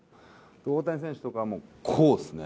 大谷選手とかは、こうっすね。